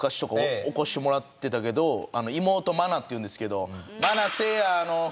妹まなっていうんですけど。